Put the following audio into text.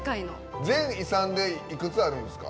全遺産でいくつあるんですか？